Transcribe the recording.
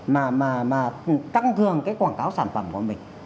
mà tăng cường cái quảng cáo sản phẩm của mình